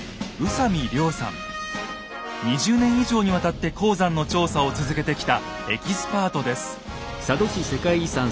２０年以上にわたって鉱山の調査を続けてきたエキスパートです。